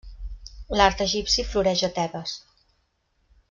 L'art egipci floreix a Tebes.